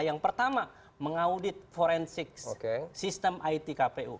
yang pertama mengaudit forensik sistem itkpu